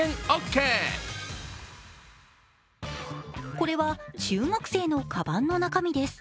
これは中学生のかばんの中身です。